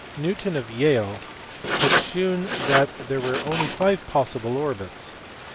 Newton, of Yale, had shewn that there were only five possible orbits.